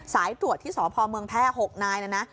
สายตรวจที่สพเมืองแพร่๖นายนะนะ